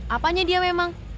apanya dia memang